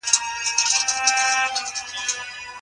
که انلاین مواد روښانه وي، غلط فهم نه پیدا کېږي.